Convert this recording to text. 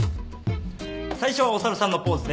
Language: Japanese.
最初お猿さんのポーズで。